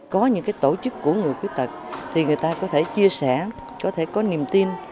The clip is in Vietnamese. có những tổ chức của người khuyết tật thì người ta có thể chia sẻ có thể có niềm tin